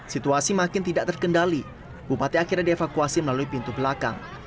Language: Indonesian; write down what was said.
situasi makin tidak terkendali bupati akhirnya dievakuasi melalui pintu belakang